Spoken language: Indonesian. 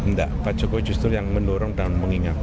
enggak pak jokowi justru yang mendorong dan mengingatkan